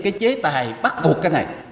cái chế tài bắt cuộc cái này